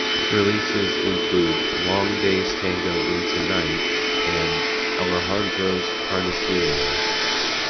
Releases include "Long Day's Tango Into Night" and "Alejandro's Carniceria".